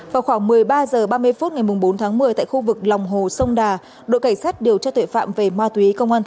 vào khoảng một mươi ba h ba mươi phút ngày bốn tháng một mươi tại khu vực lòng hồ sông đà đội cảnh sát điều tra tuệ phạm về ma túy công an